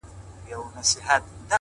• قافلې د سوداگرو يې لوټلې,